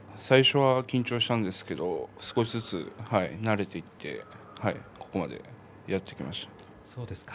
最初は緊張したんですけど少しずつ慣れていってここまでやってきました。